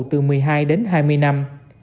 từ một mươi hai đến hai mươi năm